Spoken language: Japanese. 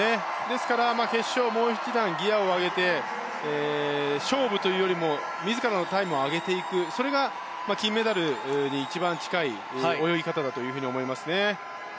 ですから、決勝もう一段ギアを上げて勝負というよりも自らのタイムを上げていくそれが金メダルに一番近い泳ぎ方だと思いますね。